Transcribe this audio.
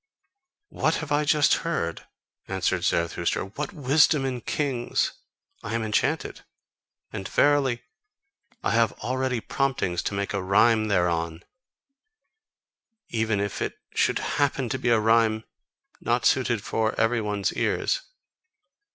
'" What have I just heard? answered Zarathustra. What wisdom in kings! I am enchanted, and verily, I have already promptings to make a rhyme thereon: Even if it should happen to be a rhyme not suited for every one's ears.